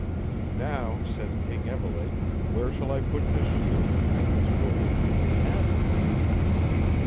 Now, said King Evelake, where shall I put this shield, that this worthy knight may have it?